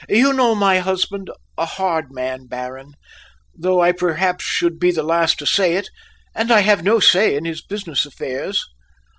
" You know my husband, a hard man, Baron, though I perhaps should be the last to say it, and I have no say in his business affairs."